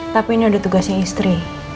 tapi ini ada tugasnya istri